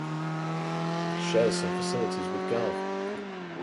It shares some facilities with Gov.